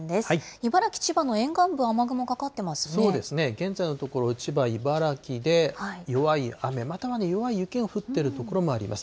茨城、千葉の沿岸部、雨雲かかっそうですね、現在のところ、千葉、茨城で弱い雨、または弱い雪が降っている所もあります。